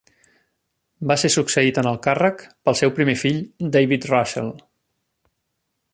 Va ser succeït en el càrrec pel seu primer fill David Russell.